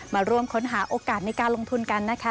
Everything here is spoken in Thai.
มาร่วมค้นหาโอกาสในการลงทุนกันนะคะ